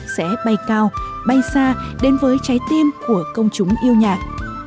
sẽ bay cao bay xa đến với trái tim của công chúng yêu nhạc